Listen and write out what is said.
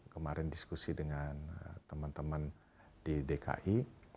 kemarin diskusi dengan teman teman di dki